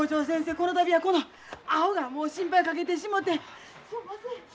この度はこのアホがもう心配かけてしもてすんません。